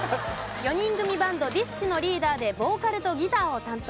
４人組バンドＤＩＳＨ／／のリーダーでボーカルとギターを担当。